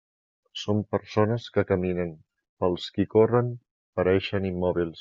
Són persones que caminen; per als qui corren, pareixen immòbils.